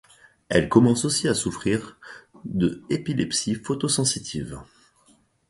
Elle commence aussi à souffrir de épilepsie photo-sensitive.